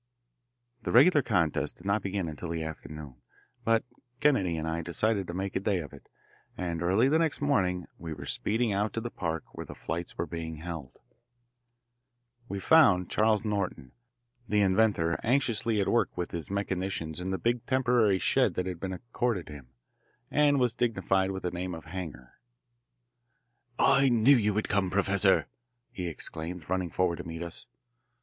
The regular contests did not begin until the afternoon, but Kennedy and I decided to make a day of it, and early the next morning we were speeding out to the park where the flights were being held. We found Charles Norton, the inventor, anxiously at work with his mechanicians in the big temporary shed that had been accorded him, and was dignified with the name of hangar. "I knew you would come, Professor," he exclaimed, running forward to meet us.